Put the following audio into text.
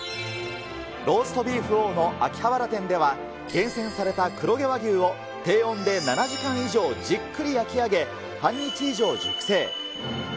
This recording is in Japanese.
ローストビーフ大野秋葉原店では、厳選された黒毛和牛を低温で７時間以上じっくり焼き上げ、半日以上熟成。